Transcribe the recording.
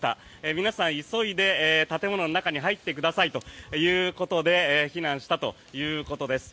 皆さん急いで建物の中に入ってくださいということで避難したということです。